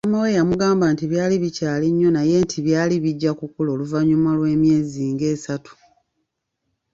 Maama we yamugamba nti byali bikyali nnyo naye nti byali bijja kukula oluvanyuma lw’emyezi ng’esatu.